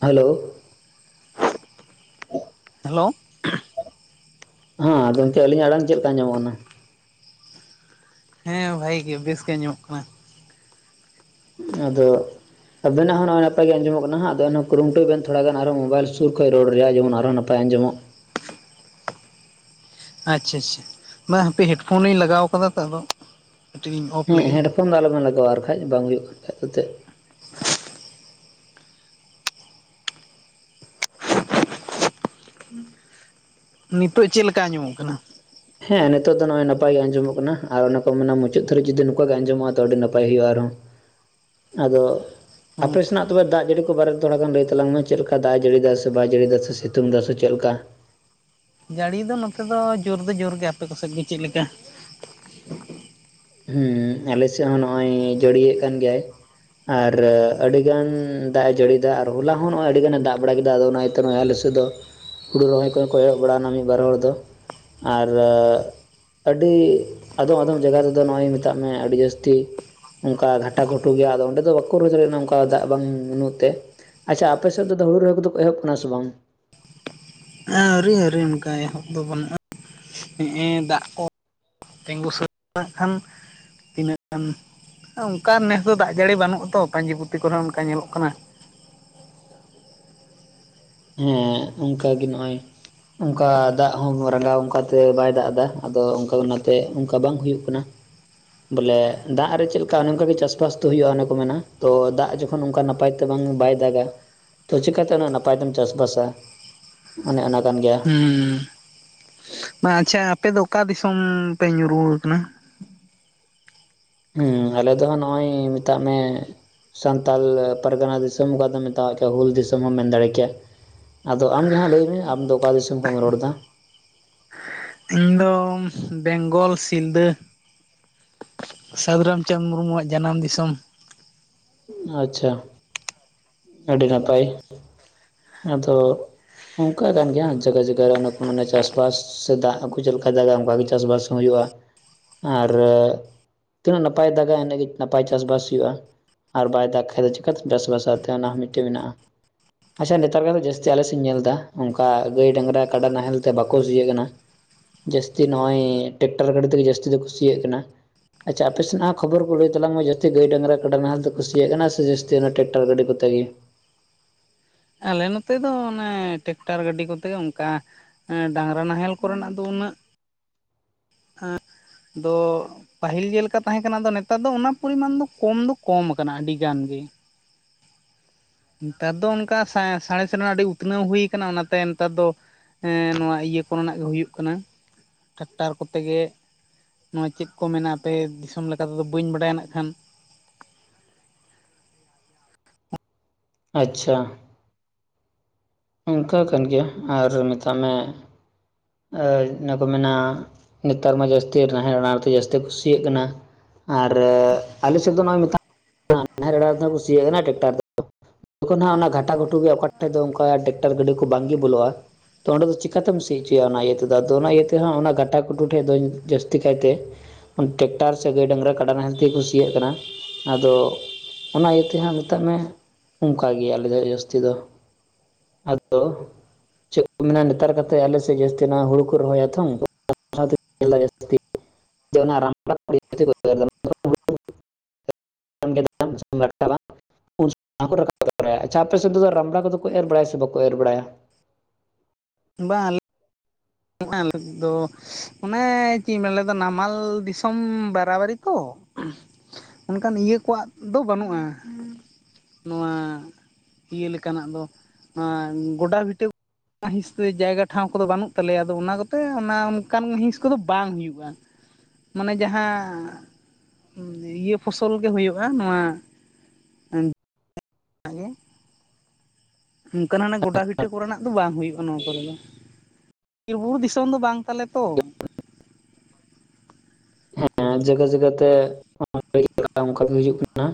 Hello hello ᱦᱚᱸ ᱜᱚᱝᱠᱮ ᱟᱹᱞᱤᱧᱟᱜ ᱟᱲᱟᱝ ᱪᱮᱫ ᱞᱮᱠᱟ ᱟᱡᱚᱢᱚᱜ ᱠᱟᱱᱟ? ᱦᱮᱸ ᱵᱷᱟᱜᱮ ᱜᱮ ᱵᱮᱥ ᱜᱮ ᱟᱡᱚᱢᱚᱜ ᱠᱟᱱᱟ ᱾ ᱟᱫᱚ ᱟᱵᱮᱱᱟᱜ ᱦᱚᱸ ᱱᱚᱜ-ᱚᱭ ᱱᱟᱯᱟᱭ ᱜᱮ ᱟᱸᱡᱚᱢᱚᱜ ᱟᱵᱤᱱᱟ ᱦᱟᱜ ᱱᱟᱯᱟᱭ ᱜᱮ ᱟᱡᱚᱢ ᱠᱟᱱᱟ ᱟᱫᱚ ᱮᱱ ᱦᱚᱸ ᱠᱩᱨᱩᱢᱩᱴᱩᱭ ᱵᱮᱱ ᱛᱷᱚᱲᱟᱜᱟᱱ ᱟᱨᱦᱚ ᱢᱳᱵᱟᱭᱤᱞ ᱥᱩᱨ ᱠᱷᱚᱱ ᱨᱚᱲ ᱨᱮᱭᱟᱜ ᱡᱮᱢᱚᱱ ᱟᱨᱦᱚᱸᱱᱟ ᱯᱟᱭ ᱟᱸᱡᱚᱢᱚᱜ ᱟᱪᱷᱟ ᱟᱪᱷᱟ ᱢᱟ ᱦᱟᱯᱮ ᱦᱮᱰᱯᱷᱳᱱ ᱞᱤᱧ ᱞᱟᱜᱟᱣ ᱟᱠᱟᱫᱟ ᱛᱚ ᱟᱫᱚ ᱠᱟᱹᱴᱤᱡ ᱞᱤᱧ ᱚᱯᱷ ᱦᱮᱸ ᱞᱮᱜᱮ ᱦᱮᱰᱯᱷᱳᱱ ᱫᱚ ᱟᱞᱚᱵᱮᱱ ᱞᱟᱜᱟᱣᱟ ᱟᱨ ᱵᱟᱠᱟᱡ ᱵᱟᱝ ᱦᱩᱭᱩᱜ-ᱟ ᱠᱷᱟᱱᱡ [unintelligible] ᱱᱤᱛᱚᱜ ᱪᱮᱫ ᱞᱮᱠᱟ ᱟᱡᱚᱢᱚ ᱠᱟᱱᱟ? ᱦᱮᱸ ᱱᱤᱛᱚᱜ ᱫᱚ ᱱᱚᱜᱼᱭ ᱱᱟᱯᱟᱭ ᱜᱮ ᱟᱸᱡᱚᱢᱚᱜ ᱠᱟᱱᱟ ᱟᱨ ᱚᱱᱟ ᱠᱚ ᱢᱮᱱᱟ ᱱᱤᱛᱚᱜ ᱦᱮ ᱱᱤᱛᱚ ᱫᱚ ᱱᱟᱯᱟᱭ ᱜᱮ ᱟᱡᱚᱢᱚ ᱠᱟᱱᱟ ᱢᱩᱪᱟᱹᱫ ᱫᱷᱟᱹᱨᱤᱡ ᱡᱩᱤ ᱱᱚᱝ ᱜᱮ ᱟᱸᱡᱚᱢᱚᱜ-ᱟ ᱛᱚ ᱟᱹᱰᱤ ᱱᱟᱯᱟᱭ ᱦᱩᱭᱩᱜ-ᱟ ᱟᱨᱦᱚᱸ᱾ ᱟᱫᱚ ᱟᱯᱮ ᱥᱮᱱᱟᱜ ᱫᱟᱜ ᱡᱟᱹᱲᱤ ᱠᱚ ᱵᱟᱨᱮᱛᱮ ᱛᱷᱚᱲᱟ ᱜᱟᱱ ᱞᱟᱹᱭ ᱛᱟᱞᱟᱝ ᱢᱮ ᱪᱮᱫ ᱞᱮᱠᱟ ᱫᱟᱜ ᱮ ᱡᱟᱹᱲᱤᱭᱤᱫᱟ ᱥᱮ ᱵᱟᱭ ᱡᱟᱹᱲᱤᱫᱟ ᱥᱮ ᱥᱤᱛᱩᱝ ᱮᱫᱟ ᱥᱮ ᱪᱮᱫ ᱞᱮᱠᱟ? ᱡᱟᱹᱲᱤ ᱫᱚ ᱱᱚᱛᱮ ᱫᱚ ᱡᱳᱨ ᱫᱚ ᱡᱳᱨ ᱜᱮ ᱟᱯᱮ ᱠᱚ ᱥᱮᱫ ᱜᱮ ᱪᱮᱫ ᱞᱮᱠᱟ? ᱦᱮᱸ ᱟᱞᱮ ᱥᱮᱫ ᱦᱚᱸ ᱱᱚᱜ-ᱚᱭ ᱡᱟᱹᱲᱤᱭᱮᱫ ᱠᱟᱱ ᱜᱮᱭᱟᱭ ᱾ ᱟᱨ ᱟᱹᱰᱤ ᱜᱟᱱ ᱫᱟᱜ ᱮ ᱡᱟᱹᱲᱤᱭ ᱫᱟ ᱟᱨ ᱦᱚᱞᱟ ᱦᱚᱸ ᱱᱚᱜᱚᱭ ᱟᱹᱰᱤ ᱜᱟᱱᱮ ᱫᱟᱜ ᱵᱟᱲᱟ ᱠᱮᱫᱟ ᱟᱫᱚ ᱚᱱᱟ ᱤᱭᱟᱹᱛᱮ ᱱᱚᱜ ᱟᱞ [unintelligible] ᱛᱮᱫᱚ ᱦᱩᱲᱩ ᱨᱚᱦᱚᱭ ᱠᱚᱭ ᱠᱚᱭᱚᱜ ᱵᱟᱲᱟᱣᱱᱟ ᱢᱤᱫ ᱵᱟᱨ ᱦᱚᱲ ᱫᱚ᱾ ᱟᱨᱚ ᱟᱹᱰᱤ ᱟᱫᱚᱢ ᱟᱫᱚᱢ ᱡᱟᱭᱜᱟ ᱨᱮ ᱟᱫᱚ ᱱᱚᱣᱟᱜᱤᱧ ᱢᱮᱛᱟᱜ ᱢᱮ ᱟᱹᱰᱤ ᱡᱟᱹᱥᱛᱤ ᱚᱱᱠᱟ ᱜᱷᱟᱴᱟ ᱜᱷᱩᱴᱩ ᱜᱮᱭᱟ ᱟᱫᱚ ᱚᱸᱰᱮ ᱫᱚ ᱵᱟᱠᱚ ᱨᱩᱦᱚᱭ ᱫᱟᱲᱮᱭᱟᱜ ᱠᱟᱱᱟ ᱚᱱᱠᱟ ᱫᱟᱜ ᱵᱟᱝ ᱵᱩᱜ ᱛᱮ ᱟᱪᱷᱟ ᱟᱯᱮ ᱥᱮᱫ ᱫᱚ ᱦᱲᱩ ᱨᱚᱦᱚᱭ ᱠᱚᱫᱚ ᱮᱚᱦᱚᱵ ᱠᱮᱫᱟ ᱥᱮ ᱵᱟᱝ? ᱟᱹᱣᱨᱤ ᱟᱹᱨᱤ ᱚᱱᱠᱟ ᱮᱦᱚᱵ ᱫᱚ ᱵᱟᱹᱱᱩᱜ-ᱟ ᱱᱮ-ᱮ ᱫᱟᱜ ᱠᱚ ᱛᱤᱸᱜᱩ [unintelligible] ᱠᱷᱟᱱ ᱛᱤᱱᱟᱹᱜ ᱜᱟᱱ ᱚᱱᱠᱟ ᱱᱮᱥ ᱫᱚ ᱫᱟᱜ ᱡᱟᱹᱲᱤ ᱵᱟᱹᱱᱩᱜ ᱟᱛᱚ ᱯᱟᱹᱧᱪᱤ ᱯᱩᱛᱤ ᱠᱚᱨᱮᱚᱸ ᱚᱱᱠᱟ ᱧᱮᱞᱚᱜ ᱠᱟᱱᱟ ᱾ ᱦᱮᱸ ᱚᱱᱠᱟᱜ ᱜᱮ ᱱᱚᱜ-ᱚᱭ ᱚᱱᱠᱟ ᱫᱟᱜ ᱦᱚᱸ ᱨᱟᱸᱜᱟᱣ ᱚᱱᱠᱟᱛᱮ ᱵᱟᱭ ᱫᱟᱜ ᱮᱫᱟ ᱟᱫᱚ ᱚᱱᱠᱟ ᱚᱱᱟᱛᱮ ᱚᱱᱠᱟ ᱵᱟᱝ ᱦᱩᱭᱩᱜ ᱠᱟᱱᱟ ᱾ ᱵᱚᱞᱮ ᱫᱟᱜ ᱨᱮ ᱪᱮᱫ ᱞᱮᱠᱟ ᱚᱱᱮ ᱚᱱᱠᱟ ᱜᱮ ᱪᱟᱥ-ᱵᱟᱥ ᱫᱚ ᱦᱩᱭᱩᱜ-ᱟ ᱚᱱᱮ ᱠᱚ ᱢᱮᱱᱟ ᱛᱚ ᱫᱟᱜ ᱡᱚᱠᱷᱚᱱ ᱚᱱᱝᱠᱟ ᱱᱟᱯᱟᱭ ᱛᱮ ᱵᱟᱝ ᱵᱟᱭ ᱫᱟᱜᱟ ᱪᱤᱠᱟᱛᱮ ᱱᱟᱯᱟᱭᱛᱮᱢ ᱪᱟᱥ-ᱵᱟᱥᱟ ᱚᱱᱮ ᱚᱱᱟ ᱠᱟᱱ ᱜᱮᱭᱟ ᱾ ᱦᱩᱸ ᱦᱩᱸ ᱢᱟ ᱟᱪᱷᱟ ᱟᱯᱮ ᱫᱚ ᱚᱠᱟ ᱫᱤᱥᱚᱢ ᱯᱮ ᱧᱩᱨᱦᱩ ᱟᱠᱟᱱᱟ? ᱦᱩᱸ ᱟᱞᱮ ᱫᱚ ᱱᱚᱜ-ᱚᱭ ᱢᱮᱛᱟᱜ ᱢᱮ ᱥᱟᱱᱛᱟᱲ ᱯᱟᱨᱜᱟᱱᱟ ᱫᱤᱥᱚᱢ ᱚᱠᱟ ᱫᱚᱢ ᱢᱮᱛᱟᱣ ᱠᱮᱭᱟ ᱦᱩᱞ ᱫᱤᱥᱚᱢ ᱮᱢ ᱢᱮᱱ ᱫᱟᱲᱮ ᱠᱮᱭᱟ᱾ ᱟᱫᱚ ᱟᱢᱜᱮ ᱦᱟᱸᱜ ᱞᱟᱹᱭᱢ ᱢᱮ ᱟᱢ ᱫᱚ ᱚᱠᱟ ᱫᱤᱥᱚᱢ ᱠᱷᱚᱱ ᱮᱢ ᱨᱚᱲ ᱮᱫᱟ? ᱤᱧ ᱫᱚ ᱵᱮᱝᱜᱚᱞ ᱥᱤᱞᱫᱟᱹ ᱥᱟᱹᱫᱷᱩ ᱨᱟᱢᱪᱟᱸᱫᱽ ᱢᱩᱨᱢᱩ ᱣᱟᱜ ᱡᱟᱱᱟᱢ ᱫᱤᱥᱚᱢ᱾ ᱟᱪᱷᱟ ᱟᱹᱰᱤ ᱱᱟᱯᱟᱭ ᱟᱫᱚ ᱚᱱᱠᱟ ᱠᱟᱱ ᱜᱮᱭᱟ ᱡᱟᱭᱜᱟ ᱡᱟᱭᱜᱟ ᱨᱮ ᱚᱱᱟ ᱠᱚ ᱢᱟᱱᱮ ᱪᱟᱥ-ᱵᱟᱥ ᱥᱮ ᱫᱟᱜ ᱪᱮᱫ ᱞᱮᱠᱟ ᱫᱟᱜᱟ ᱚᱱᱠᱟᱜ ᱜᱮ ᱪᱟᱥ-ᱵᱟᱥ ᱦᱩᱭᱩᱜ-ᱟ ᱟᱨ ᱛᱤᱱᱟᱹᱜ ᱱᱟᱯᱟᱭ ᱫᱟᱜᱟ ᱤᱱᱟᱹᱜ ᱜᱮ ᱱᱟᱯᱟᱭ ᱪᱟᱥ-ᱵᱟᱥ ᱦᱩᱭᱩᱜ-ᱟ ᱾ ᱟᱨ ᱵᱟᱭ ᱫᱟᱜᱽ ᱠᱷᱟᱭ ᱫᱚ ᱪᱮᱠᱟᱛᱮ ᱪᱟᱥᱵᱟᱥᱟᱣᱛᱮ ᱚᱱᱟ ᱦᱚᱸ ᱢᱤᱫᱴᱮᱱ ᱢᱮᱱᱟᱜ-ᱟ᱾ ᱟᱪᱷᱟ ᱱᱮᱛᱟᱨ ᱠᱟ ᱫᱚ ᱡᱟᱹᱥᱛᱤ ᱟᱞ ᱥᱮᱫ ᱤᱧ ᱧᱮᱞ ᱮᱫᱟ ᱚᱱᱠᱟ ᱜᱟᱹᱭ ᱰᱟᱝᱨᱟ ᱠᱟᱰᱟ ᱱᱟᱦᱮᱞ ᱛᱮ ᱵᱟᱠᱚ ᱥᱤᱭᱟᱹᱜ ᱠᱟᱱᱟ᱾ ᱡᱟᱹᱥᱛᱤ ᱱᱚᱜ-ᱚᱭ ᱴᱮᱠᱴᱟᱨ ᱜᱟᱹᱰᱤ ᱛᱮᱜᱮ ᱡᱟᱹᱥᱛᱤ ᱫᱚ ᱠᱩᱥᱤᱭᱟᱜ ᱠᱟᱱᱟ᱾ ᱟᱪᱪᱷᱟ ᱟᱯᱮ ᱥᱮᱱᱟᱜ ᱦᱚᱸ ᱠᱷᱚᱵᱚᱨ ᱠᱚ ᱞᱟᱹᱭ ᱛᱟᱞᱟᱝ ᱢᱮ ᱡᱟᱹᱥᱛᱤ ᱜᱟᱹᱭ ᱰᱟᱝᱨᱟ ᱠᱟᱰᱟ ᱱᱟᱦᱞ ᱫᱚ ᱠᱩᱥᱤᱭᱟᱜ ᱠᱟᱱᱟ ᱥᱮ ᱡᱟᱹᱥᱛᱤ ᱚᱱᱟ ᱴᱨᱟᱠᱴᱟᱨ ᱜᱟᱹᱰᱤ ᱠᱚ ᱛᱮᱜᱮ᱾ ᱟᱞᱮ ᱱᱚᱛᱮ ᱫᱚ ᱚᱱᱮ ᱴᱮᱠᱴᱟᱨ ᱜᱟᱹᱰᱤ ᱠᱚᱛᱮ ᱚᱱᱠᱟ ᱮᱸ ᱰᱟᱝᱨᱟ ᱱᱟᱦᱮᱞ ᱠᱚᱨᱮᱱᱟᱜ ᱫᱚ ᱩᱱᱟᱹᱜ ᱮᱸᱷ ᱫᱚ ᱯᱟᱹᱦᱤᱞ ᱡᱮᱞᱮᱠᱟ ᱛᱟᱦᱮᱸ ᱠᱟᱱᱟ ᱟᱫᱚ ᱱᱮᱛᱟᱨ ᱫᱚ ᱚᱱᱟ ᱯᱚᱨᱤᱢᱟᱱ ᱫᱚ ᱠᱚᱢ ᱫᱚ ᱠᱚᱢ ᱟᱠᱟᱱᱟ ᱟᱹᱰᱤ ᱜᱟᱱ ᱜᱮ [inaudible] ᱱᱮᱛᱟᱨ ᱫᱚ ᱚᱱᱠᱟ ᱥᱟᱝ ᱥᱟᱬᱮᱥ ᱨᱮᱱᱟᱜ ᱟᱹᱰᱤ ᱩᱛᱱᱟᱹᱣ ᱦᱩᱭ ᱠᱟᱱᱟ ᱚᱱᱟᱛᱮ ᱱᱮᱛᱟᱨ ᱫᱚ ᱦᱮᱸ ᱱᱚᱣᱟ ᱤᱭᱟᱹ ᱠᱚᱨᱮᱱᱟᱜ ᱜᱮ ᱦᱩᱭᱩᱜ ᱠᱟᱱᱟ᱾ ᱴᱮᱴᱟᱨ ᱠᱚᱛᱮ ᱜᱮ ᱱᱚᱣᱟᱜ ᱪᱮᱫ ᱠᱚ ᱢᱮᱱᱟ ᱟᱯᱮ ᱫᱤᱥᱚᱢ ᱞᱮᱠᱟ ᱛᱮᱫᱚ ᱵᱟᱹᱧ ᱵᱟᱰᱟᱭᱟ ᱱᱟᱜ ᱠᱷᱟᱱ᱾ ᱟᱪᱷᱟ ᱚᱱᱠᱟ ᱠᱟᱱ ᱜᱮᱭᱟ ᱟᱨ ᱢᱮᱛᱟᱜ ᱢᱮ ᱚᱱᱟ ᱠᱚ ᱢᱮᱱᱟ ᱱᱮᱛᱟᱨ ᱢᱟ ᱡᱟᱹᱥᱛᱤ ᱱᱟᱦᱮᱞᱲ ᱟᱲᱟᱲ ᱛᱮ ᱡᱟᱹᱥᱛᱤ ᱠᱩ ᱥᱤᱭᱟᱜ ᱠᱟᱱᱟ᱾ ᱟᱨ ᱟᱞᱮᱥᱮᱫ ᱫᱚ ᱱᱚᱜᱚᱭ ᱢᱮᱛᱟ ᱟᱨ [unintelligible] ᱠᱩᱥᱤᱭᱟᱜ ᱠᱟᱱᱟ ᱴᱮᱠᱴᱟᱨ ᱫᱚ ᱡᱚᱠᱷᱚᱱ ᱦᱟᱜ ᱚᱱᱟ ᱜᱷᱟᱴᱟ ᱜᱷᱩᱴᱩ ᱜᱮ ᱚᱠᱟ ᱴᱷᱮᱱ ᱫᱚ ᱚᱱᱠᱟ ᱴᱮᱨᱟᱠᱴᱟᱨ ᱜᱟᱹᱰᱤ ᱠᱚ ᱵᱟᱝᱜᱮ ᱵᱚᱞᱚᱜᱼᱟ ᱛᱚ ᱚᱸᱰᱮ ᱫᱚ ᱪᱤᱠᱟᱛᱮᱢ ᱥᱤ ᱦᱚᱪᱚᱭᱟ ᱚᱱᱟ ᱤᱭᱟᱹ ᱛᱮᱫᱚ ᱟᱫᱚ ᱚᱱᱟ ᱤᱭᱟᱹᱛᱮ ᱚᱱᱟ ᱜᱟᱴᱟ ᱠᱩᱴᱩ ᱴᱷᱮᱡ ᱫᱚ ᱡᱟᱹᱥᱛᱤ ᱠᱟᱭᱛᱮ ᱴᱮᱠᱴᱟᱨ ᱥᱮ ᱜᱟᱹᱭ ᱰᱟᱝᱨᱟ ᱠᱟᱰᱟ ᱱᱟᱦᱮᱞ ᱛᱮ ᱜᱮ ᱠᱚ ᱠᱩᱥᱤᱭᱟᱜ ᱠᱟᱱᱟ᱾ ᱟᱫᱚ ᱚᱱᱟ ᱤᱭᱟᱹᱛᱮ ᱦᱟᱸᱜ ᱢᱮᱛᱟᱜ ᱢᱮ ᱚᱱᱠᱟ ᱜᱮ ᱟᱞᱮ ᱫᱚ ᱡᱟᱹᱥᱛᱤ ᱫᱚ ᱟᱫᱚ ᱪᱮᱫ ᱠᱚ ᱢᱮᱱᱟ ᱱᱮᱛᱟᱨᱛᱮᱫ ᱟᱞᱮ ᱥᱮᱫ ᱡᱟᱹᱥᱛᱤ ᱦᱩᱲᱩ ᱠᱚ ᱨᱚᱦᱚᱭᱟ ᱛᱚ᱾ [unintelligible] [unintelligible] ᱩᱱᱠᱚ ᱨᱟᱠᱟᱵ ᱵᱟᱲᱟᱭᱟ ᱟᱪᱪᱷᱟ ᱟᱯᱮᱥᱮᱫ ᱫᱚ ᱨᱟᱢᱲᱟ ᱠᱚᱫᱚ ᱠᱚ ᱮᱨ ᱵᱟᱲᱟᱭᱟ ᱥᱮ ᱵᱟᱠᱚ ᱮᱨ ᱵᱟᱲᱟᱭᱟ? ᱵᱟᱝ᱾ ᱱᱚᱜᱚᱭ ᱫᱚ ᱚᱱᱮ ᱪᱮᱫ ᱤᱧ ᱢᱮᱱ ᱞᱮᱫᱟ ᱱᱟᱢᱟᱞ ᱫᱤᱥᱚᱢ ᱵᱟᱨᱟᱵᱟᱨᱤ ᱛᱚ᱾ ᱚᱱᱠᱟᱱ ᱤᱭᱟᱹ ᱠᱚᱣᱟᱜ ᱫᱚ ᱵᱟᱹᱱᱩᱜᱼᱟ᱾ ᱱᱚᱣᱟ ᱤᱭᱟᱹ ᱞᱮᱠᱟᱱᱟᱜ ᱫᱚ ᱜᱚᱰᱟ ᱵᱷᱤᱴᱟᱹ ᱦᱤᱸᱥ ᱡᱟᱭᱜᱟ ᱴᱷᱟᱶ ᱠᱚᱫᱚ ᱵᱟᱹᱱᱩᱜ ᱛᱟᱞᱮᱭᱟ ᱟᱫᱚ ᱚᱱᱟ ᱠᱚᱛᱮ ᱚᱱᱟ ᱚᱱᱠᱟᱱ ᱦᱤᱸᱥ ᱠᱚᱫᱚ ᱵᱟᱝ ᱦᱩᱭᱩᱜᱼᱟ᱾ ᱢᱟᱱᱮ ᱡᱟᱦᱟᱸ ᱤᱭᱟᱹ ᱯᱷᱚᱥᱚᱞ ᱜᱮ ᱦᱩᱭᱩᱜᱼᱟ᱾ ᱱᱚᱣᱟ ᱱᱚᱝᱠᱟᱟᱱ ᱦᱟᱱᱮ ᱜᱳᱰᱟᱵᱤᱴᱟᱹ ᱠᱚᱨᱮᱱᱟᱜ ᱫᱚ ᱵᱟᱝ ᱦᱩᱭᱩᱜᱼᱟ ᱱᱚᱣᱟ ᱠᱚᱨᱮ ᱫᱚ᱾ ᱵᱤᱨ ᱵᱩᱨᱩ ᱫᱤᱥᱚᱢ ᱫᱚ ᱵᱟᱝ ᱛᱟᱞᱮ ᱛᱚ᱾ ᱡᱟᱜᱟ ᱡᱟᱜᱟᱛᱮ [unintelligible] ᱚᱱᱠᱟᱜᱮ ᱦᱤᱡᱩᱜ ᱠᱟᱱᱟ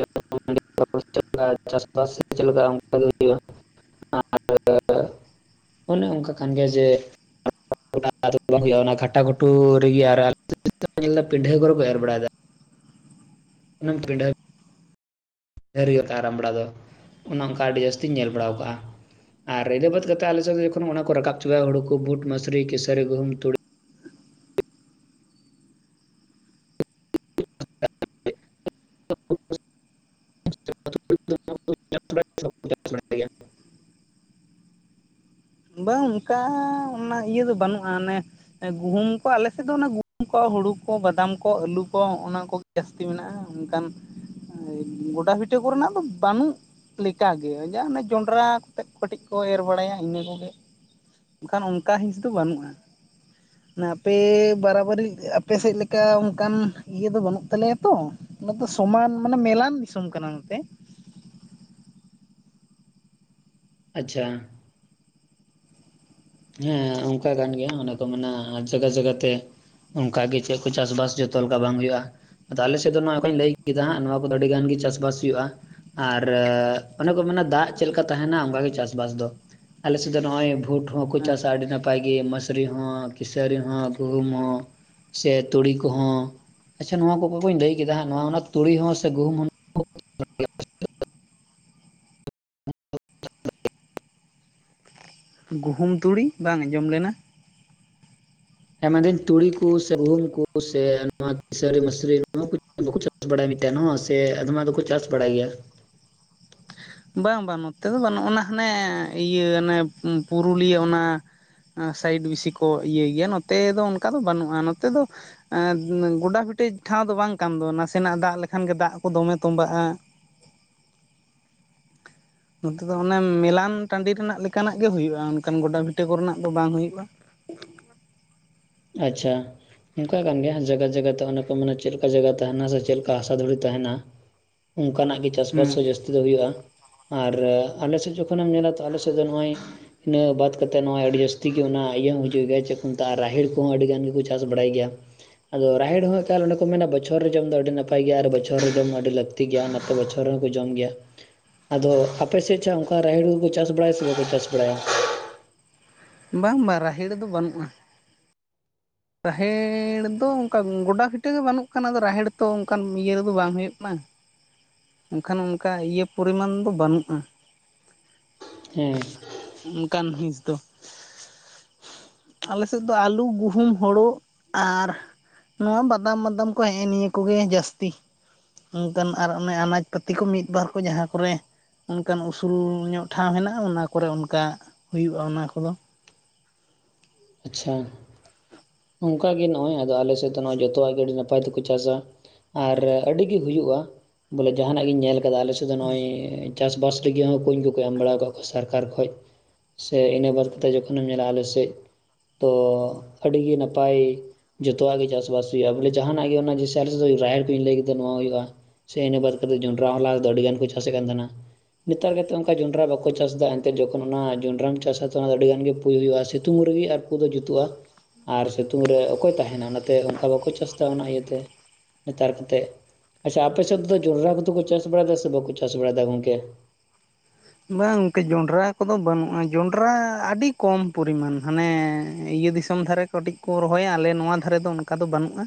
[unintelligible] [unintelligible] ᱪᱟᱥᱵᱟᱥ ᱪᱮᱫ ᱞᱮᱠᱟ ᱚᱱᱠᱟ ᱦᱩᱭᱩᱜᱼᱟ [unintelligible] ᱟᱨ ᱚᱱᱮ ᱚᱱᱠᱟ ᱠᱟᱱ ᱜᱮᱭᱟ ᱡᱮ [unintelligible] ᱵᱟᱝ ᱦᱩᱭᱩᱜᱼᱟ ᱚᱱᱟ ᱜᱷᱟᱴᱟ ᱜᱷᱩᱴᱩ ᱨᱮᱜᱮ ᱟᱨ ᱯᱤᱱᱰᱷᱟᱹ ᱠᱚᱨᱮᱠᱩ ᱮᱨ ᱵᱟᱲᱟᱭ ᱫᱟ᱾ [unintelligible] ᱰᱷᱟᱹᱨᱤ ᱠᱟᱜᱼᱟ ᱨᱟᱢ ᱵᱟᱲᱟ ᱫᱚ ᱚᱱᱮ ᱚᱱᱠᱟ ᱟᱹᱰᱤ ᱡᱟᱹᱥᱛᱤᱧ ᱧᱮᱞ ᱵᱟᱲᱟ ᱠᱟᱜᱼᱟ᱾ ᱟᱨ ᱤᱫᱟᱹ ᱵᱟᱫ ᱠᱟᱛᱮᱫ ᱟᱞᱮᱥᱮᱫ ᱡᱚᱠᱷᱚᱱ ᱚᱱᱟ ᱠᱚ ᱨᱟᱠᱟᱵ ᱪᱟᱵᱟᱭᱟ ᱦᱩᱲᱩ ᱵᱩᱴ ᱢᱟᱥᱨᱤ ᱠᱮᱥᱟᱹᱨᱤ ᱜᱩᱢ ᱛᱩᱲᱤ [inaudible] [inaudible] [inaudible] ᱵᱟᱝ ᱚᱱᱠᱟ ᱚᱱᱟ ᱤᱭᱟᱹ ᱫᱚ ᱵᱟᱹᱱᱩᱜᱼᱟ ᱚᱱᱮ ᱜᱩᱦᱩᱢ ᱟᱞᱮ ᱥᱮᱫ ᱫᱚ ᱚᱱᱟ ᱜᱩᱦᱩᱢ ᱠᱚ ᱦᱩᱲᱩ ᱠᱚ ᱵᱟᱫᱟᱢ ᱠᱚ ᱟᱹᱞᱩ ᱠᱚ ᱚᱱᱟ ᱠᱚᱜᱮ ᱡᱟᱹᱥᱛᱤ ᱢᱮᱱᱟᱜᱼᱟ ᱚᱱᱠᱟᱱ ᱜᱚᱰᱟ ᱵᱷᱤᱴᱟᱹ ᱠᱚᱨᱮᱱᱟᱜ ᱫᱚ ᱵᱟᱹᱱᱩᱜ ᱞᱮᱠᱟᱜᱮ ᱡᱟ ᱚᱱᱮ ᱡᱚᱱᱰᱨᱟᱛᱮᱫ ᱠᱟᱹᱴᱤᱡ ᱠᱚ ᱮᱨ ᱵᱟᱲᱟᱭᱟ ᱤᱱᱟᱹ ᱠᱚ ᱚᱱᱠᱟ ᱦᱤᱸᱥ ᱫᱚ ᱵᱟᱹᱱᱩᱜᱼᱟ᱾ ᱟᱯᱮ ᱵᱟᱨᱟᱵᱟᱨᱤ ᱟᱯᱮᱥᱮᱫ ᱞᱮᱠᱟ ᱚᱱᱠᱟᱱ ᱤᱭᱟᱹ ᱫᱚ ᱵᱟᱹᱱᱩᱜ ᱛᱟᱞᱮᱭᱟ ᱛᱚ᱾ ᱚᱱᱟ ᱫᱚ ᱥᱚᱢᱟᱱ ᱢᱟᱱᱮ ᱢᱮᱞᱟᱱ ᱫᱤᱥᱚᱢ ᱠᱟᱱᱟ ᱱᱚᱛᱮ ᱟᱪᱪᱷᱟ ᱦᱮᱸ ᱚᱱᱠᱟ ᱠᱟᱱ ᱜᱮᱭᱟ ᱚᱱᱮ ᱠᱚ ᱢᱮᱱᱟ ᱡᱟᱜᱟ ᱡᱟᱜᱟᱛᱮ ᱚᱱᱠᱟᱟᱜ ᱜᱮ ᱪᱮᱫ ᱠᱚ ᱪᱟᱥᱵᱟᱥ ᱡᱚᱛᱚ ᱞᱮᱠᱟ ᱵᱟᱝ ᱦᱩᱭᱩᱜᱼᱟ᱾ ᱟᱫᱚ ᱟᱞᱮ ᱥᱮᱫ ᱫᱚ ᱱᱚᱣᱟ ᱠᱚᱧ ᱞᱟᱹᱭ ᱠᱮᱫᱟ ᱦᱟᱸᱜ ᱱᱚᱣᱟ ᱠᱚᱫᱚ ᱟᱹᱰᱤ ᱜᱟᱱ ᱜᱮ ᱪᱟᱥᱵᱟᱥ ᱦᱩᱭᱩᱜᱼᱟ᱾ ᱟᱨ ᱚᱱᱮ ᱠᱚ ᱢᱮᱱᱟ ᱫᱟᱜ ᱪᱮᱫᱞᱮᱠᱟ ᱛᱟᱦᱮᱱᱟ ᱚᱱᱠᱟᱜᱮ ᱪᱟᱥᱵᱟᱥ ᱫᱚ ᱟᱞᱮᱥᱮᱫ ᱫᱚ ᱱᱚᱜᱼᱚᱭ ᱵᱷᱩᱴ ᱦᱚᱸᱠᱚ ᱦᱮᱸ ᱪᱟᱥᱟ ᱟᱹᱰᱤ ᱱᱟ ᱯᱟᱭ ᱜᱮ ᱢᱚᱥᱨᱤ ᱦᱚ ᱠᱤᱥᱨᱤᱤ ᱦᱚ ᱜᱩᱦᱩᱢ ᱦᱚᱸ ᱥᱮ ᱛᱩᱲᱤ ᱠᱚᱦᱚᱸ ᱟᱪᱪᱷᱟ ᱱᱚᱣᱟ ᱠᱚ ᱠᱚᱧ ᱞᱟᱹᱭ ᱠᱮᱫᱟ ᱦᱟᱜ ᱱᱚᱣᱟ ᱛᱩᱲᱤ ᱦᱚᱸ ᱥᱮ ᱜᱩᱦᱩᱢ [unintelligible] ᱜᱩᱦᱩᱢ ᱛᱩᱲᱤ ᱵᱟᱝ ᱟᱸᱡᱚᱢ ᱞᱮᱱᱟ ᱦᱮᱸᱢᱮᱱᱫᱟᱹᱧ ᱛᱩᱲᱤ ᱠᱚ ᱥᱮ ᱜᱩᱦᱩᱢ ᱠᱚ ᱥᱮ ᱱᱚᱣᱟ ᱥᱟᱹᱨᱤ ᱢᱟᱥᱨᱤ ᱱᱚᱣᱟ ᱠᱚ ᱵᱟᱠᱚ ᱪᱟᱥ ᱵᱟᱲᱟ ᱢᱤᱫᱴᱮᱱ ᱦᱚᱸ ᱥᱮ ᱟᱫᱢᱟ ᱫᱚᱠᱚ ᱪᱟᱥ ᱵᱟᱲᱟᱭ ᱜᱮᱭᱟ ᱵᱟᱝ ᱵᱟᱝ ᱱᱚᱛᱮ ᱫᱚ ᱵᱟᱹᱱᱩᱜᱱᱟ ᱦᱟᱱᱮ ᱤᱭᱟᱹ ᱚᱱᱮ ᱯᱩᱨᱩᱞᱤᱭᱟᱹ ᱚᱱᱟ ᱥᱟᱭᱤᱰ ᱵᱮᱥᱤ ᱠᱚ ᱤᱭᱟᱹ ᱜᱮᱭᱟ ᱱᱚᱛᱮ ᱫᱚ ᱚᱱᱠᱟ ᱫᱚ ᱵᱟᱹᱱᱩᱜᱼᱟ ᱱᱚᱛᱮ ᱫᱚ ᱜᱚᱰᱟ ᱵᱷᱤᱴᱤ ᱴᱷᱟᱶ ᱫᱚ ᱵᱟᱝ ᱠᱟᱱ ᱫᱚ ᱱᱟᱥᱮᱱᱟᱜ ᱫᱟᱜ ᱞᱮᱠᱷᱟᱱ ᱜᱮ ᱫᱟᱜ ᱠᱚ ᱫᱚᱢᱮ ᱛᱚᱸᱵᱟᱜᱼᱟ ᱱᱚᱛᱮ ᱫᱚ ᱚᱱᱮ ᱢᱮᱞᱟᱱ ᱴᱟᱺᱰᱤ ᱨᱮᱱᱟᱜ ᱞᱮᱠᱟᱱᱟᱜ ᱜᱮ ᱦᱩᱭᱩᱜᱼᱟ, ᱚᱱᱠᱟᱱ ᱜᱚᱰᱟ ᱵᱷᱤᱴᱟᱹ ᱠᱚᱨᱮᱱᱟᱜ ᱫᱚ ᱵᱟᱝ ᱦᱩᱭᱩᱜᱼᱟ᱾ ᱟᱪᱪᱷᱟ ᱚᱱᱠᱟ ᱠᱟᱱ ᱜᱮᱭᱟ ᱡᱟᱭᱜᱟ ᱡᱟᱭᱜᱟ ᱛᱟᱦᱮᱱᱟ ᱚᱱ ᱠᱚ ᱢᱟᱱᱮ ᱪᱮᱫ ᱞᱮᱠᱟ ᱡᱟᱭᱜᱟ ᱛᱟᱦᱮᱱᱟ ᱥᱮ ᱪᱮᱫ ᱞᱮᱠᱟ ᱦᱟᱥᱟ ᱫᱷᱩᱲᱤ ᱛᱟᱦᱮᱱᱟ ᱚᱱᱠᱟᱱᱟᱜ ᱜᱮ ᱪᱟᱥᱵᱟᱥ ᱦᱮᱸ ᱦᱚᱸ ᱡᱟᱹᱥᱛᱤ ᱫᱚ ᱦᱩᱭᱩᱜᱼᱟ᱾ ᱟᱨ ᱟᱞᱮ ᱥᱮᱫ ᱡᱚᱠᱷᱚᱱᱮᱢ ᱧᱮᱞᱟ ᱛᱚ ᱟᱞᱮᱥᱮᱫ ᱫᱚ ᱱᱚᱜᱼᱚᱭ ᱤᱱᱟᱹ ᱵᱟᱫ ᱠᱟᱛᱮᱫ ᱱᱚᱣᱟ ᱟᱹᱰᱤ ᱡᱟᱹᱥᱛᱤ ᱜᱮ ᱚᱱᱟ ᱤᱭᱟᱹ ᱦᱤᱡᱩᱜ ᱜᱮᱭᱟ ᱡᱮᱛᱩ ᱨᱟᱦᱮᱲ ᱩᱱᱦᱚᱸ ᱟᱹᱰᱤ ᱜᱟᱱ ᱜᱮᱠᱚ ᱪᱟᱥ ᱵᱟᱲᱟᱭ ᱜᱮᱭᱟ ᱟᱫᱚ ᱨᱟᱦᱮᱲ ᱦᱚᱸ ᱮᱠᱟᱞ ᱚᱸᱰᱮ ᱠᱚ ᱢᱮᱱᱟ ᱵᱚᱪᱷᱚᱨ ᱨᱮ ᱡᱚᱢ ᱫᱚ ᱟᱹᱰᱤ ᱱᱟᱯᱟᱭ ᱜᱮᱭᱟ, ᱟᱨ ᱵᱚᱪᱷᱚᱨ ᱨᱮ ᱡᱚᱢ ᱫᱚ ᱟᱹᱰᱤ ᱞᱟᱹᱠᱛᱤ ᱛᱤ ᱜᱟᱛᱮ ᱜᱮᱭᱟ ᱱᱟᱛᱮ ᱵᱚᱪᱷᱚᱨ ᱦᱚᱸᱠᱚ ᱡᱚᱢ ᱜᱮᱭᱟ᱾ ᱟᱫᱚ ᱟᱯᱮᱥᱮᱫ ᱪᱷᱟ ᱚᱱᱠᱟ ᱨᱟᱦᱮᱲ ᱠᱩ ᱠᱚ ᱪᱟᱥ ᱵᱟᱲᱟᱭᱟ ᱥᱮ ᱵᱟᱠᱚ ᱪᱟᱥ ᱵᱟᱲᱟᱭᱟ? ᱵᱟᱝ ᱵᱟᱝ ᱨᱟᱦᱮᱲ ᱫᱚ ᱵᱟᱹᱱᱩᱜᱼᱟ᱾ ᱨᱟᱦᱮᱲ ᱫᱚ ᱚᱱᱠᱟ ᱜᱚᱰᱟ ᱯᱷᱤᱴᱟᱹ ᱜᱮ ᱵᱟᱹᱱᱩᱜ ᱠᱟᱱᱟ ᱟᱫᱚ ᱨᱟᱦᱮᱲ ᱛᱚ ᱚᱱᱠᱟᱱ ᱤᱭᱟᱹ ᱨᱮᱫᱚ ᱵᱟᱝ ᱦᱩᱭᱩᱜ ᱠᱟᱱᱟ ᱮᱠᱷᱟᱱ ᱚᱱᱠᱟ ᱤᱭᱟᱹ ᱯᱚᱨᱤᱢᱟᱱ ᱫᱚ ᱵᱟᱹᱱᱩᱜᱼᱟ ᱦᱮᱸ ᱚᱱᱠᱟᱱ ᱦᱤᱥ ᱫᱚ ᱟᱞᱮ ᱥᱮᱫ ᱫᱚ ᱟᱹᱞᱩ ᱜᱩᱦᱩᱢ ᱦᱳᱲᱳ ᱟᱨ ᱱᱚᱣᱟ ᱵᱟᱫᱟᱢ ᱵᱟᱫᱟᱢ ᱠᱚ ᱦᱮᱸᱜᱮ ᱱᱤᱭᱟᱹ ᱠᱚᱜᱮ ᱡᱟᱹᱥᱛᱤ ᱚᱱᱠᱟᱱ ᱟᱨ ᱚᱱᱮ ᱟᱱᱟᱡ ᱯᱟᱹᱛᱤ ᱠᱚ ᱢᱤᱫᱵᱟᱨ ᱠᱚ ᱡᱟᱦᱟᱸ ᱠᱚᱨᱮ ᱚᱱᱠᱟᱱ ᱩᱥᱩᱞ ᱧᱚᱜ ᱴᱷᱟᱶ ᱢᱮᱱᱟᱜᱼᱟ ᱚᱱᱟ ᱠᱚᱨᱮ ᱚᱱᱠᱟ ᱦᱩᱭᱩᱜᱼᱟ ᱚᱱᱟ ᱠᱚᱫᱚ᱾ ᱟᱪᱪᱷᱟ ᱚᱱᱠᱟ ᱜᱮ ᱱᱚᱜᱚᱭ ᱟᱫᱚ ᱟᱞᱮᱥᱮᱫ ᱫᱚ ᱡᱚᱛᱚᱣᱟᱜ ᱜᱮ ᱟᱹᱰᱤ ᱱᱟᱯᱟᱭ ᱛᱮᱠᱚ ᱪᱟᱥᱟ ᱟᱨ ᱟᱹᱰᱤᱜᱮ ᱦᱩᱭᱩᱜᱼᱟ ᱵᱚᱞᱮ ᱡᱟᱦᱟᱱᱟᱜ ᱜᱤᱧ ᱧᱮᱞ ᱠᱟᱫᱟ ᱟᱞᱮ ᱥᱮᱫ ᱫᱚ ᱱᱚᱜᱼᱚᱭ ᱪᱟᱥᱵᱟᱥ ᱞᱟᱹᱜᱤᱫ ᱦᱚᱸ ᱠᱩᱧ ᱠᱚᱠᱚ ᱮᱢ ᱵᱟᱲ ᱟᱠᱟᱫ ᱠᱚᱣᱟ ᱥᱟᱨᱠᱟᱨ ᱠᱷᱚᱡ᱾ ᱥᱮ ᱤᱱᱟᱹ ᱵᱟᱫ ᱠᱟᱛᱮ ᱡᱚᱠᱷᱚᱱᱮᱢ ᱧᱮᱞᱟᱼᱟ ᱟᱞᱮ ᱥᱮᱫ ᱛᱚ ᱟᱹᱰᱤᱜᱤ ᱱᱟᱯᱟᱭ ᱡᱚᱛᱚᱣᱟᱜ ᱜᱮ ᱪᱟᱥᱵᱟᱥ ᱦᱩᱭᱩᱜᱼᱟ ᱵᱚᱞᱮ ᱡᱟᱦᱟᱱᱟᱜ ᱜᱮ ᱚᱱᱟ ᱨᱟᱦᱮᱲ ᱠᱚᱧ ᱞᱟᱹᱭ ᱠᱮᱫᱟ ᱱᱚᱣᱟ ᱦᱩᱭᱩᱜᱼᱟ ᱥᱮ ᱤᱱᱟᱹ ᱵᱟᱫ ᱠᱟᱛᱮᱫ ᱡᱚᱱᱰᱨᱟ ᱦᱚ ᱫᱚ ᱟᱹᱰᱤ ᱜᱟᱱ ᱠᱚ ᱪᱟᱥᱮᱫ ᱠᱟᱱ ᱛᱟᱦᱮᱱᱟ ᱱᱮᱛᱟᱨ ᱠᱟᱛᱮᱫ ᱚᱱᱠᱟ ᱡᱚᱸᱰᱨᱟ ᱵᱟᱠᱚ ᱪᱟᱥ ᱮᱫᱟ ᱮᱱᱛᱮᱫ ᱡᱚᱠᱷᱚᱱ ᱚᱱᱟ ᱡᱚᱸᱰᱟᱢ ᱪᱟᱥᱟ ᱛᱚ ᱚᱱᱟ ᱫᱚ ᱟᱹᱰᱤ ᱜᱟᱱ ᱜᱮ ᱯᱩᱭ ᱦᱩᱭᱩᱜᱼᱟ ᱥᱤᱛᱩᱝ ᱨᱮᱜᱮ ᱟᱨᱼᱼ ᱩᱱᱠᱩ ᱫᱚ ᱡᱩᱛᱩᱜᱼᱟ ᱟᱨ ᱥᱤᱛᱩᱝ ᱨᱮ ᱚᱠᱚᱭ ᱛᱟᱦᱮᱱᱟ ᱚᱱᱟᱛᱮ ᱚᱱᱠᱟ ᱵᱟᱠᱚ ᱪᱟᱥ ᱮᱫᱟ ᱚᱱᱟ ᱤᱭᱟᱹᱛᱮ [unintelligible] ᱟᱪᱪᱷᱟ ᱟᱯᱮ ᱥᱮᱫ ᱛᱚ ᱡᱚᱱᱰᱨᱟ ᱠᱚᱫᱚ ᱠᱚ ᱪᱟᱥ ᱵᱟᱲᱟᱭᱮᱫᱟ ᱥᱮ ᱵᱟᱠᱚ ᱪᱟᱥ ᱵᱟᱲᱟᱭᱮᱫᱟ ᱜᱚᱝᱠᱮ? ᱵᱟᱝ ᱜᱚᱝᱠᱮ ᱡᱚᱸᱰᱨᱟ ᱠᱚᱫᱚ ᱵᱟᱹᱱᱩᱜᱼᱟ ᱡᱚᱸᱰᱨᱟ ᱟᱹᱰᱤ ᱠᱚᱢ ᱯᱚᱨᱤᱢᱟᱱ ᱦᱟᱱᱮ ᱤᱭᱟᱹ [unintelligible] ᱫᱤᱥᱚᱢ ᱫᱷᱟᱨᱮ ᱠᱟᱹᱴᱤᱡ ᱠᱚ ᱨᱚᱦᱚᱭᱟ ᱟᱞᱮ ᱱᱚᱣᱟ ᱫᱷᱟᱨᱮ ᱫᱚ ᱚᱱᱠᱟ ᱫᱚ ᱵᱟᱹᱱᱩᱜᱼᱟ᱾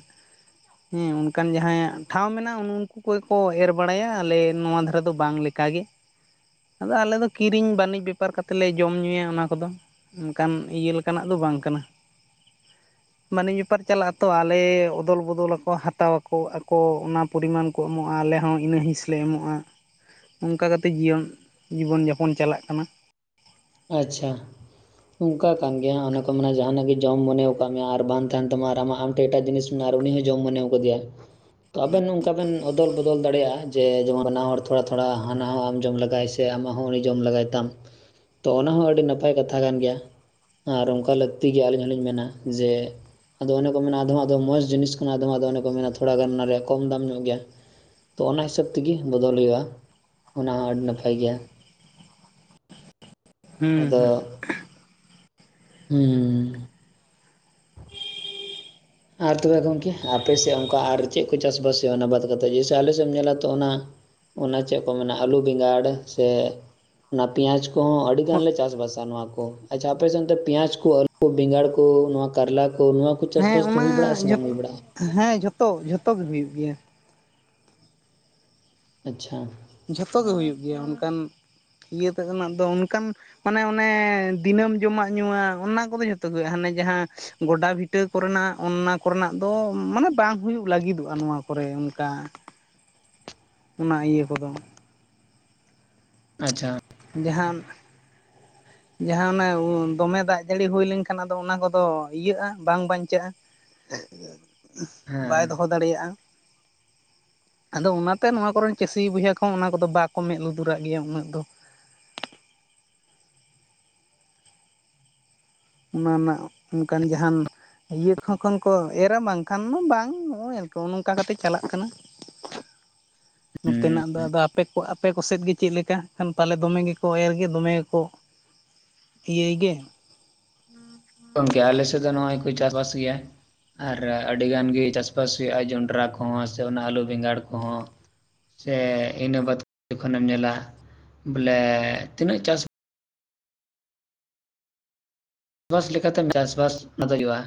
ᱦᱮᱸ ᱚᱱᱠᱟᱱ ᱡᱟᱦᱟᱸᱭᱟᱜ ᱴᱷᱟᱶ ᱢᱮᱱᱟᱜᱼᱟ ᱩᱱᱠᱩ ᱠᱚᱜᱮ ᱠᱚ ᱮᱨ ᱵᱟᱲᱟᱭᱟ ᱟᱞᱮ ᱱᱚᱣᱟ ᱫᱷᱟᱨᱟ ᱫᱚ ᱵᱟᱝ ᱞᱮᱠᱟᱜ ᱜᱮ ᱟᱫᱚ ᱟᱞᱮ ᱫᱚ ᱠᱤᱨᱤᱧ ᱵᱟᱹᱱᱤᱡᱽ ᱵᱮᱯᱟᱨ ᱠᱟᱛᱮᱞᱮ ᱡᱚᱢ ᱧᱩᱭᱟ ᱚᱱᱟ ᱠᱚᱫᱚ᱾ ᱚᱱᱠᱟᱱ ᱤᱭᱟᱹ ᱞᱮᱠᱟᱱᱟᱜ ᱫᱚ ᱵᱟᱝ ᱠᱟᱱᱟ ᱢᱟᱱᱮ ᱱᱮᱛᱟᱨ ᱪᱟᱞᱟᱜ ᱟᱛᱚ ᱟᱞᱮ ᱚᱫᱚᱞ ᱵᱚᱫᱚᱞ ᱟᱠᱚ ᱦᱟᱛᱟᱣ ᱟᱠᱚ ᱚᱱᱟ ᱯᱚᱨᱤᱢᱟᱱ ᱠᱚ ᱮᱢᱚᱜᱼᱟ ᱟᱞᱮ ᱦᱚᱸ ᱤᱱᱟᱹ ᱦᱤᱸᱥ ᱞᱮ ᱮᱢᱚᱜᱼᱟ ᱚᱱᱠᱟ ᱠᱟᱛᱮ ᱡᱤᱭᱚᱱ ᱡᱤᱵᱚᱱ ᱡᱟᱯᱚᱱ ᱪᱟᱞᱟᱜ ᱠᱟᱱᱟ᱾ ᱟᱪᱪᱷᱟ ᱚᱱᱠᱟ ᱠᱟᱱ ᱜᱮᱭᱟ ᱚᱱᱮ ᱠᱚ ᱢᱮᱱᱟ ᱡᱟᱦᱟᱱᱟᱜ ᱜᱮ ᱡᱚᱢ ᱢᱚᱱᱮᱣ ᱟᱠᱟᱫ ᱢᱮᱭᱟ ᱟᱨ ᱵᱟᱝ ᱛᱟᱦᱮᱱ ᱛᱟᱢᱟ ᱟᱨ ᱟᱢᱟᱜ ᱛᱮᱜᱤ ᱴᱷᱮᱱ ᱮᱴᱟᱜ ᱡᱤᱱᱤᱥ ᱟᱨ ᱩᱱᱤ ᱦᱚᱸ ᱡᱚᱢ ᱢᱚᱱᱮᱣ ᱟᱠᱟ ᱫᱮᱭᱟ᱾ ᱛᱚ ᱟᱵᱮᱱ ᱚᱱᱠᱟ ᱵᱮᱱ ᱚᱫᱚᱞ ᱵᱚᱫᱚᱞ ᱫᱟᱲᱮᱭᱟᱜᱼᱟ ᱡᱮ ᱡᱮᱢᱚᱱ ᱱᱟᱣᱟ ᱛᱷᱚᱲᱟ ᱛᱷᱚᱲᱟ ᱦᱟᱱᱟᱢ ᱡᱚᱢ ᱞᱮᱜᱟᱭ ᱥᱮ ᱥᱮ ᱟᱢᱟᱜ ᱦᱚᱸ ᱩᱱᱤ ᱡᱚᱢ ᱞᱮᱜᱟᱭ ᱛᱟᱢ᱾ ᱛᱚ ᱚᱱᱟ ᱦᱚᱸ ᱟᱹᱰᱤ ᱱᱟᱯᱟᱭ ᱠᱟᱛᱷᱟ ᱠᱟᱱ ᱜᱮᱭᱟ ᱟᱨ ᱚᱱᱠᱟ ᱞᱟᱹᱠᱛᱤ ᱜᱮ ᱟᱹᱞᱤᱧ ᱦᱚᱸᱞᱤᱧ ᱢᱮᱱᱟ ᱡᱮ ᱟᱫᱚ ᱚᱱᱮ ᱠᱚ ᱢᱮᱱᱟ ᱟᱫᱚᱢ ᱟᱜ ᱫᱚ ᱢᱚᱡᱽ ᱡᱤᱱᱤᱥ ᱠᱟᱱᱟ ᱟᱫᱚᱢ ᱟᱜ ᱫᱚ ᱚᱱᱮ ᱠᱚ ᱢᱮᱱᱟ ᱛᱷᱚᱲᱟ ᱜᱟᱱ ᱚᱱᱟ ᱨᱮᱭᱟᱜ ᱠᱚᱢ ᱫᱟᱢ ᱧᱚᱜ ᱜᱮᱭᱟ᱾ ᱛᱚ ᱚᱱᱟ ᱦᱤᱥᱟᱹᱵᱽ ᱛᱤᱜᱤ ᱵᱚᱫᱚᱞ ᱦᱩᱭᱩᱜᱼᱟ ᱚᱱᱟ ᱦᱚᱸ ᱟᱹᱰᱤ ᱱᱟᱯᱟᱭ ᱜᱮᱭᱟ᱾ ᱦᱩᱸ ᱟᱫᱚ ᱦᱩᱸ ᱦᱩᱸ ᱟᱨ ᱛᱚᱵᱮ ᱜᱚᱢᱠᱮ ᱟᱯᱮ ᱥᱮᱫ ᱚᱱᱠᱟ ᱟᱨ ᱪᱮᱫ ᱠᱚ ᱪᱟᱥ ᱵᱟᱥ ᱦᱩᱭᱩᱜᱼᱟ ᱚᱱᱟ ᱵᱟᱫ ᱠᱟᱛᱮᱫ ᱡᱮᱭᱥᱨ ᱟᱞᱮ ᱥᱮᱫ ᱮᱢ ᱧᱮᱞᱟ ᱛᱚ ᱚᱱᱟ ᱚᱱᱟ ᱪᱮᱫ ᱠᱚ ᱢᱮᱱᱟ ᱟᱞᱩ ᱵᱮᱸᱜᱟᱲ ᱥᱮ ᱚᱱᱟ ᱯᱮᱸᱭᱟᱡᱽ ᱠᱚᱦᱚᱸ ᱟᱹᱰᱤ ᱦᱮᱸ ᱜᱟᱱᱞᱮ ᱪᱟᱥ ᱵᱟᱥᱟ ᱱᱚᱣᱟ ᱠᱚ᱾ ᱟᱪᱪᱷᱟ ᱟᱯᱮᱥᱮᱱ ᱛᱚ ᱯᱮᱸᱭᱟᱪ ᱠᱚ ᱟᱹᱞᱩ ᱠᱚ, ᱵᱮᱸᱜᱟᱲ ᱠᱚ, ᱱᱚᱣᱟ ᱠᱟᱨᱞᱟ ᱠᱚ, ᱱᱚᱣᱟ ᱠᱚ, - ᱦᱮᱸ ᱚᱱᱟ ᱡᱷᱚᱛ ᱦᱮᱸ ᱡᱷᱚᱛᱚ ᱡᱷᱚᱛᱚ ᱜᱮ ᱦᱩᱭᱩᱜ ᱜᱮᱭᱟ᱾ ᱟᱪᱪᱷᱟ ᱡᱷᱚᱛᱚ ᱜᱮ ᱦᱩᱭᱩᱜ ᱜᱮᱭᱟ ᱚᱱᱠᱟᱱ ᱤᱭᱟᱹ ᱛᱮᱱᱟᱜ ᱫᱚ ᱚᱱᱠᱟᱱ ᱢᱟᱱᱮ ᱚᱱᱮ ᱫᱤᱱᱟᱹᱢ ᱡᱚᱢᱟᱜ ᱧᱩᱣᱟᱜ ᱚᱱᱟ ᱠᱚᱫᱚ ᱡᱷᱚᱛᱚ ᱜᱮ ᱦᱟᱱᱮ ᱡᱟᱦᱟᱸ ᱜᱚᱰᱟ ᱵᱷᱤᱴᱟᱹ ᱠᱚᱨᱮᱱᱟᱜ ᱚᱱᱱᱟ ᱠᱚᱨᱮᱱᱟᱜ ᱫᱚ ᱢᱟᱱᱮ ᱵᱟᱝ ᱦᱩᱭᱩᱜ ᱞᱟᱹᱜᱤᱫᱚᱜᱼᱟ ᱱᱚᱣᱟ ᱠᱚᱨᱮ ᱚᱱᱠᱟ ᱚᱱᱟ ᱤᱭᱟᱹ ᱠᱚᱫᱚ᱾ ᱟᱪᱪᱷᱟ ᱡᱟᱦᱟᱱ ᱡᱟᱦᱟᱸ ᱚᱱᱟ ᱫᱚᱢᱮ ᱫᱟᱜ ᱡᱟᱹᱲᱤ ᱦᱩᱭ ᱞᱮᱱᱠᱷᱟᱱ ᱟᱫᱚ ᱚᱱᱟ ᱠᱚᱫᱚ ᱤᱭᱟᱹᱜᱼᱟ ᱵᱟᱝ ᱵᱟᱧᱪᱟᱜᱼᱟ᱾ ᱵᱟᱭ ᱦᱮᱸ ᱫᱚᱦᱚ ᱫᱟᱲᱮᱭᱟᱜᱼᱟ᱾ ᱟᱫᱚ ᱚᱱᱟᱛᱮ ᱱᱚᱣᱟ ᱠᱚᱨᱮᱱ ᱪᱟᱹᱥᱤ ᱵᱚᱭᱦᱟ ᱠᱚᱦᱚᱸ ᱚᱱᱟ ᱠᱚᱫᱚ ᱵᱟᱠᱚ ᱢᱮᱫ ᱞᱩᱛᱩᱨᱟᱜ ᱜᱮᱭᱟ ᱩᱱᱟᱹᱜ ᱫᱚ᱾ [inaudible] ᱚᱱᱟ ᱨᱮᱱᱟᱜ ᱚᱱᱠᱟᱱ ᱡᱟᱦᱟᱱ ᱤᱭᱟᱹ ᱠᱷᱚᱸ ᱠᱷᱚᱱ ᱠᱚ ᱮᱨᱟ ᱵᱟᱝᱠᱷᱟᱱ ᱫᱚ ᱵᱟᱝ ᱱᱚᱜᱼᱚᱭ ᱟᱨᱠᱤ ᱚᱱᱠᱟ ᱠᱟᱛᱮ ᱪᱟᱞᱟᱜ ᱠᱟᱱᱟ᱾ ᱦᱩᱸ ᱱᱚᱛᱮᱱᱟᱜ ᱫᱚ ᱟᱫᱚ ᱟᱯᱮ ᱛᱚ ᱟᱯᱮ ᱠᱚ ᱥᱮᱫ ᱜᱮ ᱪᱮᱫ ᱞᱮᱠᱟ ᱠᱷᱟᱱ ᱯᱟᱞᱮ ᱫᱚᱢᱮ ᱜᱮᱠᱚ ᱮᱨ ᱜᱮ ᱫᱚᱢᱮ ᱜᱮᱠᱚ ᱤᱭᱟᱹᱭ ᱜᱮ ᱜᱚᱢᱠᱮ ᱟᱞᱮ ᱥᱮᱫ ᱫᱚ ᱱᱚᱜ-ᱚᱭ ᱠᱚ ᱪᱟᱥ ᱵᱟᱥ ᱜᱮᱭᱟ᱾ ᱟᱨ ᱟᱰᱤ ᱜᱟᱱ ᱜᱮ ᱪᱟᱥᱵᱟᱥ ᱦᱩᱭᱩᱜᱼᱟ, ᱡᱚᱱᱰᱨᱟ ᱠᱚᱦᱚᱸ ᱥᱮ ᱚᱱᱟ ᱟᱞᱩ ᱵᱮᱸᱜᱟᱲ ᱠᱚᱦᱚᱸ᱾ ᱥᱮ ᱤᱱᱟᱹ ᱵᱟᱛᱷ [unintelligible] ᱡᱚᱠᱷᱚᱱᱮᱢ ᱧᱮᱞᱟ᱾ ᱵᱚᱞᱮ ᱛᱤᱱᱟᱹᱜ ᱪᱟᱥ ᱵᱟᱥ ᱞᱮᱠᱟᱛᱮᱢ ᱪᱟᱥ-ᱵᱟᱥ ᱚᱱᱟ ᱫᱚ ᱦᱩᱭᱩᱜ-ᱟ᱾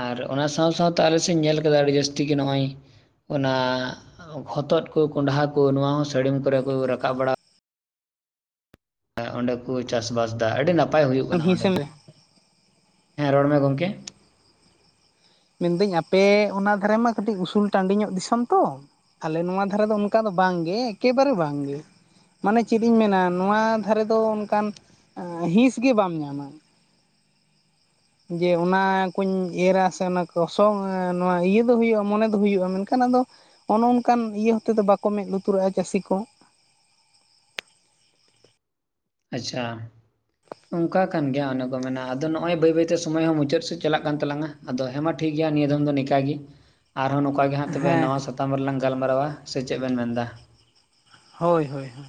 ᱟᱨ ᱚᱱᱟ ᱥᱟᱶ ᱥᱟᱶᱛᱮ ᱟᱞᱮ ᱥᱮᱫ ᱤᱧ ᱧᱮᱞ ᱠᱟᱫᱟ ᱟᱹᱰᱤ ᱡᱟᱹᱥᱛᱤ ᱜᱮ ᱱᱚᱜᱼᱚᱭ ᱚᱱᱟ ᱦᱚᱛᱚᱫ ᱠᱚ ᱠᱚᱸᱰᱷᱟ ᱠᱚ ᱱᱚᱣᱟ ᱦᱚᱸ ᱥᱟᱹᱲᱤᱢ ᱠᱚᱨᱮᱠᱚ ᱨᱟᱠᱟᱵ ᱵᱟᱲᱟ ᱚᱸᱰᱮ ᱠᱩ ᱪᱟᱥᱼᱵᱟᱥ ᱫᱟ ᱟᱰᱤ ᱱᱟᱯᱟᱭ ᱦᱩᱭᱩᱜ ᱠᱟᱱᱟ ᱚᱸᱰᱮ ᱦᱤᱸᱥᱮᱢ ᱦᱚᱸ ᱨᱮ ᱦᱮᱸ ᱨᱚᱲ ᱢᱮ ᱜᱚᱝᱠᱮ᱾ ᱢᱮᱱᱫᱟᱹᱧ ᱟᱯᱮ ᱚᱱᱟ ᱫᱷᱟᱨᱮ ᱢᱟ ᱠᱟᱹᱴᱤᱡ ᱩᱥᱩᱞ ᱴᱟᱺᱰᱤ ᱧᱚᱜ ᱫᱤᱥᱚᱢ ᱛᱚ, ᱟᱞᱮ ᱱᱚᱣᱟ ᱫᱷᱟᱨᱮ ᱫᱚ ᱚᱱᱠᱟ ᱫᱚ ᱵᱟᱝᱜᱮ ᱮᱠᱮᱵᱟᱨᱮ ᱵᱟᱝᱜᱮ᱾ ᱢᱟᱱᱮ ᱪᱮᱫ ᱤᱧ ᱢᱮᱱᱟ ᱱᱚᱣᱟ ᱫᱷᱟᱨᱮ ᱫᱚ ᱚᱱᱠᱟᱱ ᱦᱤᱸᱥ ᱜᱮ ᱵᱟᱢ ᱧᱟᱢᱟ᱾ ᱡᱮ ᱚᱱᱟ ᱠᱩᱧ ᱮᱨᱟ ᱥᱮ ᱚᱱᱟ ᱠᱚ ᱥᱚᱝ ᱱᱚᱣᱟ ᱤᱭᱟᱹ ᱫᱚ ᱦᱩᱭᱩᱜᱼᱟ ᱢᱚᱱᱮ ᱫᱚ ᱦᱩᱭᱩᱜᱼᱟ, ᱢᱮᱱᱠᱷᱟᱱ ᱟᱫᱚ ᱚᱱᱚ ᱚᱱᱠᱟᱱ ᱤᱭᱟᱹ ᱦᱚᱛᱮᱫ ᱫᱚ ᱵᱟᱠᱚ ᱢᱮᱫ ᱞᱩᱛᱩᱨᱟᱜᱼᱟ ᱪᱟᱹᱥᱤ ᱠᱚ᱾ ᱟᱪᱪᱷᱟ ᱚᱱᱠᱟ ᱠᱟᱱ ᱜᱮᱭᱟ ᱚᱱᱮ ᱠᱚ ᱢᱮᱱᱟ ᱟᱫᱚ ᱱᱚᱜᱼᱚᱭ ᱵᱟᱹᱭ ᱵᱟᱹᱭᱛᱮ ᱥᱚᱢᱚᱭ ᱦᱚᱸ ᱢᱩᱪᱟᱹᱫ ᱥᱮᱫ ᱪᱟᱞᱟᱜ ᱠᱟᱱ ᱛᱟᱞᱟᱝᱟ᱾ ᱟᱫᱚ ᱦᱮᱸᱢᱟ ᱴᱷᱤᱠᱜᱮᱭᱟ ᱱᱤᱭᱟᱹ ᱫᱚᱢ ᱫᱚ ᱱᱤᱠᱟ ᱜᱤ ᱟᱨᱦᱚᱸ ᱱᱚᱝᱠᱟ ᱜᱮ ᱜᱮ ᱦᱟᱸᱜ ᱛᱚᱵᱮ ᱦᱮᱸ ᱱᱚᱣᱟ ᱥᱟᱛᱟᱢ ᱨᱮᱞᱟᱝ ᱜᱟᱞᱢᱟᱨᱟᱣᱟ ᱥᱮ ᱪᱮᱫ ᱵᱮᱱ ᱢᱮᱱᱫᱟ? ᱦᱳᱭ ᱦᱳᱭ ᱦᱳᱭ